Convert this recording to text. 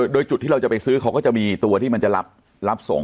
โดยจุดที่เราจะไปซื้อเขาก็จะมีตัวที่มันจะรับส่ง